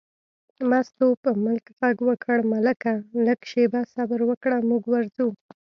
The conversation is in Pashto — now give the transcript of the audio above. مستو په ملک غږ وکړ: ملکه لږه شېبه صبر وکړه، موږ وځو.